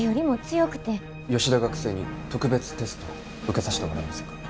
吉田学生に特別テストを受けさしてもらえませんか？